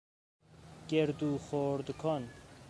گردو خرد کن